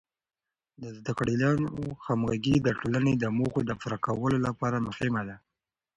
د زده کړیالانو همغږي د ټولنې د موخو د پوره کولو لپاره مهمه ده.